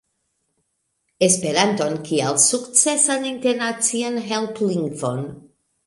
Esperanton kiel sukcesan internacian helplingvon